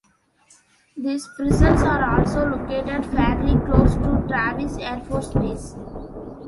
These prisons are also located fairly close to Travis Air Force Base.